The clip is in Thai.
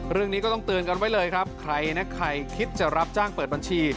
เรื่องนี้ก็ต้องเตือนกันไว้เลยครับใครนะใครคิดจะรับจ้างเปิดบัญชี